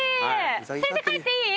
連れて帰っていい？